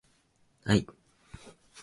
愛